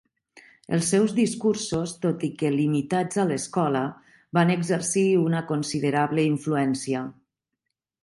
Els seus discursos, tot i que limitats a l'escola, van exercir una considerable influència.